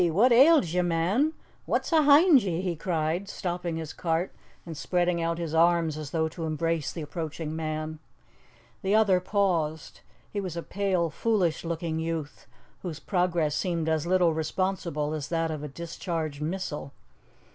what ails ye, man? What's 'ahind ye?" he cried, stopping his cart and spreading out his arms as though to embrace the approaching man. The other paused. He was a pale, foolish looking youth, whose progress seemed as little responsible as that of a discharged missile.